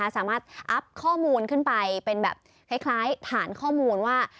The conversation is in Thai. อัพข้อมูลขึ้นไปเป็นแบบคล้ายฐานข้อมูลว่า